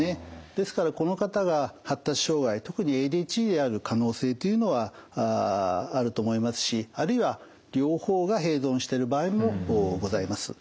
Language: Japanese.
ですからこの方が発達障害特にＡＤＨＤである可能性というのはあると思いますしあるいは両方が併存している場合もございます。